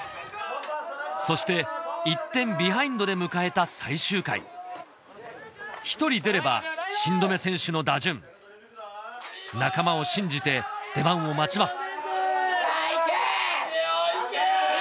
そして１点ビハインドで迎えた最終回１人出れば新留選手の打順仲間を信じて出番を待ちます